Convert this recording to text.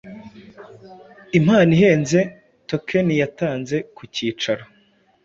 Impano ihenze-token yatanze ku cyicaro